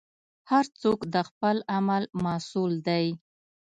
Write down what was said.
هر څوک د خپل عمل مسوول دی.